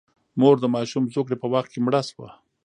مور د ماشوم زوکړې په وخت کې مړه شوه.